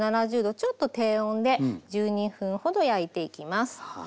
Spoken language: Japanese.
ちょっと低温で１２分ほど焼いていきます。